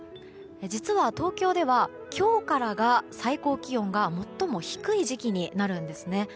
実は東京では今日からが最高気温が最も低い時期になるんですね。